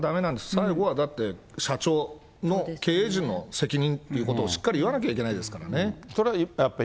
最後は、だって社長の、経営陣の責任ということを、しっかり言わなきゃいけないですからね。